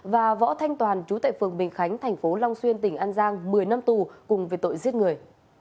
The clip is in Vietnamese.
và võ thanh toàn chú tệ phường bình khánh thành phố long xuyên tỉnh an giang một mươi năm tù cùng về tội giết người